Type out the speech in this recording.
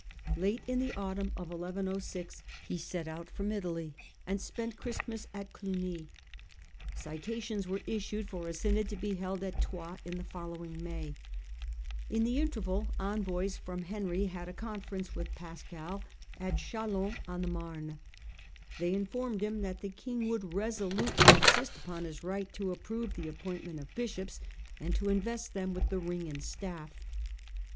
Late in the autumn he set out from Italy, and spent Christmas at Clugny. Citations were issued for a synod The pope In ^^^^^^^ Troyos in the following May. Gaul, 1106 jjj ^jjQ interval envoys from Henry had a con ference with Pascal, at Ch&lons on the Mame. They informed him that the king would resolutely insist upon his right to approve the appointment of bishops, and to invest them with the ring and staff.